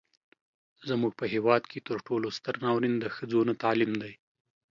زموږ په هیواد کې تر ټولو ستر ناورين د ښځو نه تعليم دی.